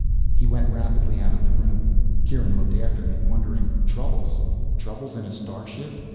He went rapidly out of the room. Kieran looked after him, wondering. Troubles troubles in a starship?